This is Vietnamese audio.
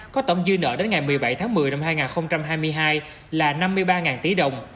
có tổng dư nợ đến ngày một mươi bảy tháng một mươi năm hai nghìn hai mươi hai là năm mươi ba tỷ đồng